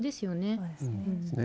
そうですね。